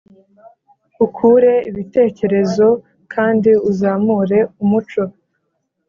ukure ibitekerezo kandi uzamure umuco